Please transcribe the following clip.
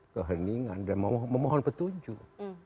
keheningan dan memohon petunjuk